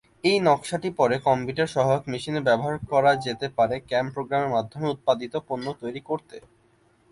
এই নকশাটি পরে কম্পিউটার-সহায়ক মেশিনে ব্যবহার করা যেতে পারে ক্যাম প্রোগ্রামের মাধ্যমে উৎপাদিত পণ্য তৈরি করতে।